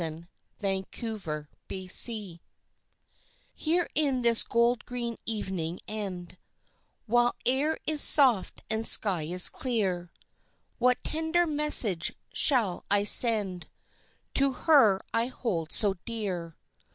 A Birthday Trifle Here in this gold green evening end, While air is soft and sky is clear, What tender message shall I send To her I hold so dear?